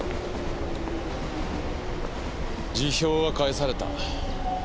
辞表は返された。